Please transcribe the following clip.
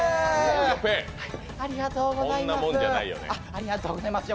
ありがとうございます。